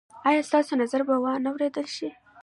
ایا ستاسو نظر به وا نه وریدل شي؟